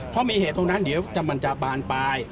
เพราะมีเหตุตรงนั้นเดี๋ยวมันจะบานปลาย